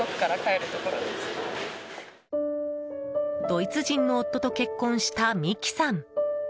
ドイツ人の夫と結婚した美樹さん。